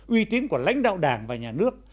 uy tín của lãnh đạo đảng và nhà nước